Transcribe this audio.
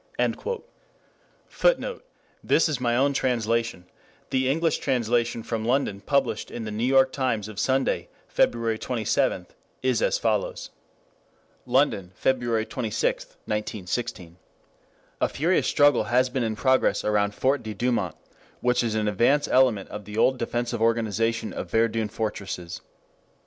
[Footnote: This is my own translation: the English translation from London published in the New York Times of Sunday, Feb. 27, is as follows: London, Feb. 26 (1916). A furious struggle has been in progress around Fort de Douaumont which is an advance element of the old defensive organization of Verdun fortresses.